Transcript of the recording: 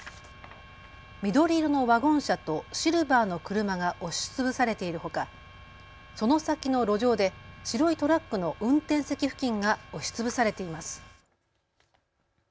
緑色のワゴン車とシルバーの車が押しつぶされているほか、その先の路上で白いトラックの運転席付近が押しつぶされています。